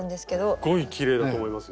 すっごいきれいだと思いますよ。